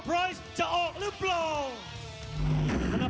ประโยชน์ทอตอร์จานแสนชัยกับยานิลลาลีนี่ครับ